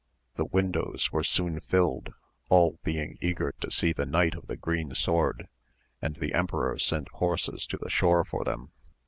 The windows were soon filled, all being eager to see the Knight of the Green Sword, and the emperor sent horses to the shore for them.